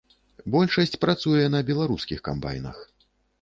Большасць працуе на беларускіх камбайнах.